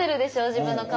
自分の顔。